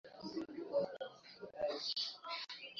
di ni kuwaomba wote wawe na